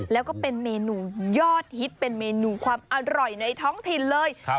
แล้วก็เป็นเมนูยอดฮิตเป็นเมนูความอร่อยในท้องถิ่นเลย